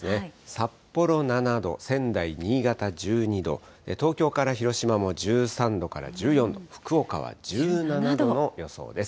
札幌７度、仙台、新潟、１２度、東京から広島も１３度から１４度、福岡は１７度の予想です。